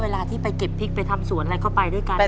เวลาที่ไปเก็บพริกไปทำสวนอะไรก็ไปด้วยกัน